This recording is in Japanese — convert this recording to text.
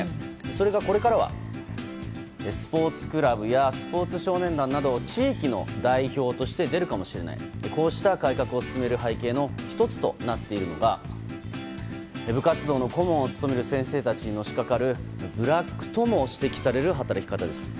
それが、これからはスポーツクラブやスポーツ少年団など地域の代表として出るかもしれないこうした改革を進める背景の１つとなっているのが部活動の顧問を務める先生たちにのしかかるブラックとも指摘される働き方です。